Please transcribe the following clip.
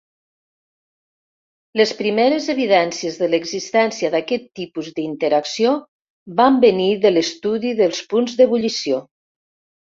Les primeres evidències de l'existència d'aquest tipus d'interacció van venir de l'estudi dels punts d'ebullició.